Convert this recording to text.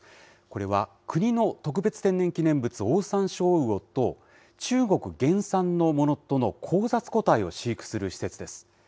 これは国の特別天然記念物、オオサンショウウオと、中国原産のものとの交雑個体を飼育する施設です。